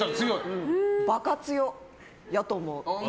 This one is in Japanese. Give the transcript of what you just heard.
バカ強やと思う。